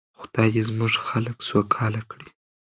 خدای دې زموږ خلک سوکاله کړي.